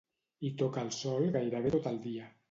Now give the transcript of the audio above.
Hi toca el sol gairebé tot el dia.